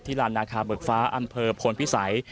ที่ลานาคาเบือกฟ้าอำเภอพลพิศัย